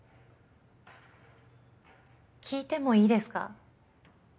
聞いてもいいですか？